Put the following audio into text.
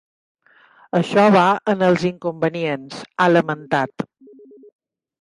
Això va en els inconvenients, ha lamentat.